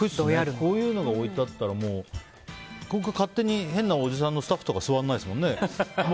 こういうのが置いてあったらもう、勝手に変なおじさんのスタッフとか座りませんよね。